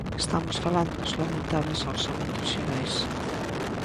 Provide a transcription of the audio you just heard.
Estamos falando dos lamentables orzamentos xerais.